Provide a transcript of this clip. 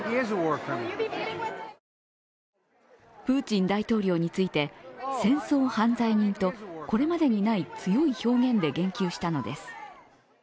プーチン大統領について戦争犯罪人とこれまでにない強い表現で言及したのです。